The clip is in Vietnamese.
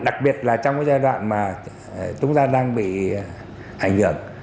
đặc biệt là trong cái giai đoạn mà chúng ta đang bị ảnh hưởng